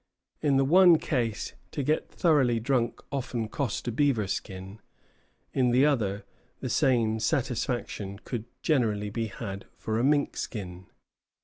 In the one case, to get thoroughly drunk often cost a beaver skin; in the other, the same satisfaction could generally be had for a mink skin.